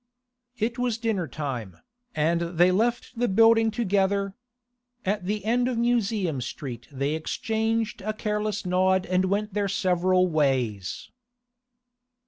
It was dinner time, and they left the building together. At the end of Museum Street they exchanged a careless nod and went their several ways.